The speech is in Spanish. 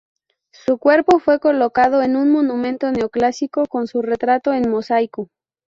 Su cuerpo fue colocado en un monumento neoclásico con su retrato en mosaico.